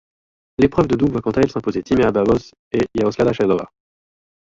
L'épreuve de double voit quant à elle s'imposer Tímea Babos et Yaroslava Shvedova.